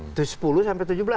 itu sepuluh sampai tujuh belas